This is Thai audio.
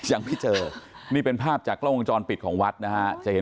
ยังไม่เจอนี่เป็นภาพจากรวงจรปิดของวัดนะครับ